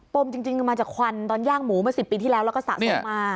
ปมจริงจริงมาจากควันตอนย่างหมูมาสิบปีที่แล้วแล้วก็สระส่งมาเนี่ย